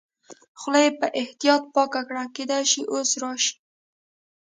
خوله یې په احتیاط پاکه کړل، کېدای شي اوس راشي.